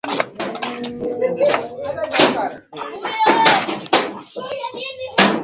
Wanaendeleza na kuboresha hisa za msingi kupitia biashara na kubadilisha bidhaa